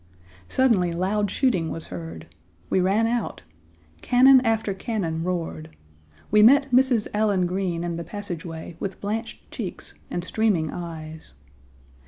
Suddenly loud shooting was heard. We ran out. Cannon after cannon roared. We met Mrs. Allen Green in the passageway with blanched cheeks and streaming eyes.